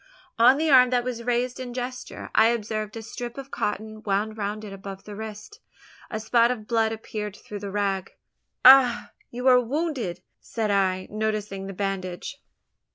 On the arm that was raised in gesture, I observed a strip of cotton wound round it above the wrist. A spot of blood appeared through the rag! "Ha! you are wounded?" said I, noticing the bandage.